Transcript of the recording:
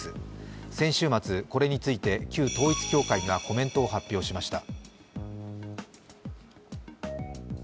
先週末、これについて旧統一教会がコメントを発表しました。